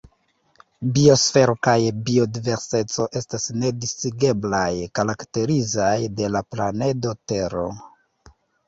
Biosfero kaj biodiverseco estas ne disigeblaj, karakterizaj de la planedo Tero.